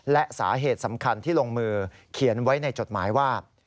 และสาเหตุสำคัญที่ลงมือเขียนไว้ในจดหมายว่า